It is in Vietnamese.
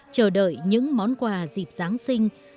chờ đợi những món quà dịp giáng sinh